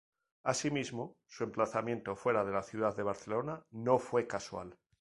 Asimismo, su emplazamiento fuera de la ciudad de Barcelona no fue casual.